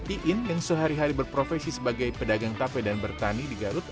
iin yang sehari hari berprofesi sebagai pedagang tape dan bertani di garut